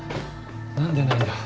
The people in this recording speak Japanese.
何でないんだ。